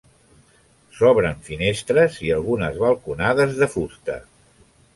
S'obren finestres i algunes balconades de fusta.